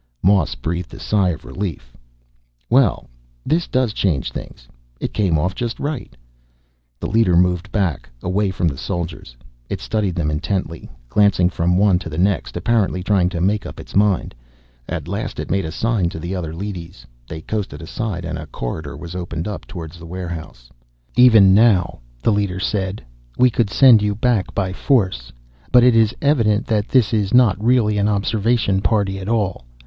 Moss breathed a sigh of relief. "Well, this does change things. It came off just right." The leader moved back, away from the soldiers. It studied them intently, glancing from one to the next, apparently trying to make up its mind. At last it made a sign to the other leadys. They coasted aside and a corridor was opened up toward the warehouse. "Even now," the leader said, "we could send you back by force. But it is evident that this is not really an observation party at all.